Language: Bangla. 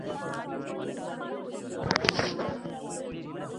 ঠান্ডা মাথা দিয়ে চিন্তা করুন।